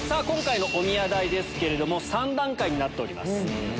今回のおみや代ですけれども３段階になっております。